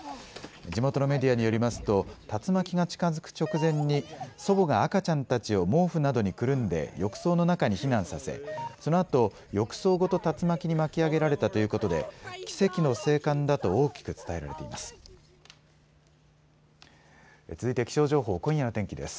地元のメディアによりますと竜巻が近づく直前に祖母が赤ちゃんたちを毛布などにくるんで浴槽の中に避難させそのあと浴槽ごと竜巻に巻き上げられたということで奇跡の生還だと大きく伝えられています。